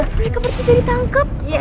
mereka pasti tidak ditangkap